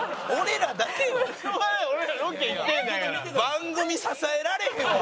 番組支えられへんわ！